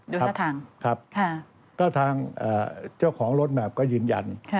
ด้วยท่าทางครับครับท่าทางเจ้าของรถแมพก็ยืนยัน